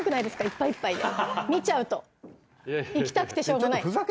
いっぱいいっぱいで見ちゃうと行きたくてしょうがない